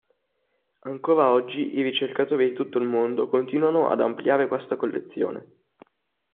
Ancora oggi i ricercatori di tutto il mondo continuano ad ampliare questa collezione.